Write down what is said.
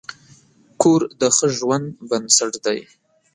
کور د ښه ژوند بنسټ دی.